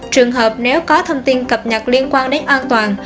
trường hợp nếu có thông tin cập nhật liên quan đến an toàn